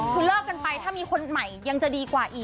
คือเลิกกันไปถ้ามีคนใหม่ยังจะดีกว่าอีก